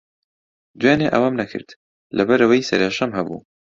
دوێنێ ئەوەم نەکرد، لەبەرەوەی سەرێشەم ھەبوو.